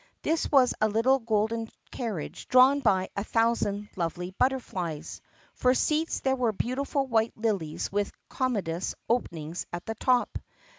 This was a little golden carriage drawn by a thousand lovely butterflies. For seats there were beautiful white lilies with commodious openings at the top.